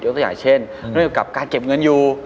อย่างตัวอย่างเช่นเรื่องอยู่กับการเก็บเงินอยู่